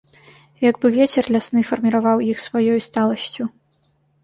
Як бы вецер лясны фарміраваў іх сваёй сталасцю.